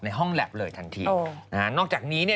ในห้องแลปเลยทันทีนอกจากนี้เนี่ย